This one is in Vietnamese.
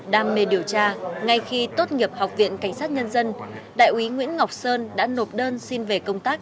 đam mê điều tra ngay khi tốt nghiệp học viện cảnh sát nhân dân đại úy nguyễn ngọc sơn đã nộp đơn xin về công tác